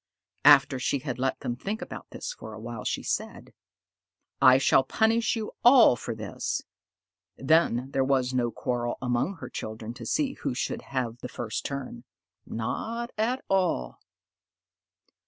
After she had let them think about this for a while, she said, "I shall punish you all for this." Then there was no quarrel among her children to see who should have the first turn not at all.